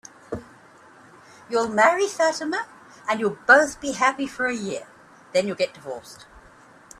You'll marry Fatima, and you'll both be happy for a year.